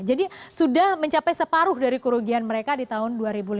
jadi sudah mencapai separuh dari kerugian mereka di tahun dua ribu lima belas